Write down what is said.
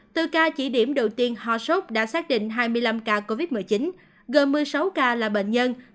từ ca chỉ điểm đầu tiên ho sốt đã xác định hai mươi năm ca covid một mươi chín gồm một mươi sáu ca là bệnh nhân